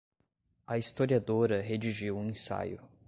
A historiadora redigiu um ensaio